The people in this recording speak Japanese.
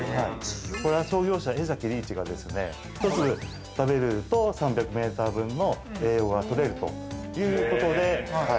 これは創業者・江崎利一が１粒食べると３００メートル分の栄養がとれるということで◆